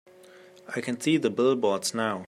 I can see the billboards now.